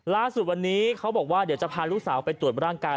ล่าสุดวันนี้เขาบอกว่าเดี๋ยวจะพาลูกสาวไปตรวจร่างกาย